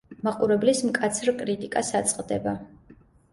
მაყურებლის მკაცრ კრიტიკას აწყდება.